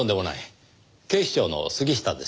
警視庁の杉下です。